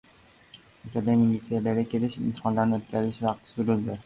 Akademik liseylarga kirish imtihonlarini o‘tkazish vaqti surildi